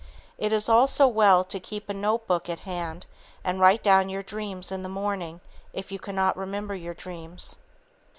It is also well to keep a notebook at hand and write down your dreams in the morning, if you cannot remember your dreams.